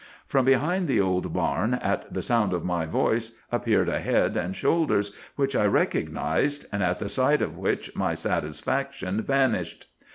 "From behind the old barn, at the sound of my voice, appeared a head and shoulders which I recognized, and at the sight of which my satisfaction vanished.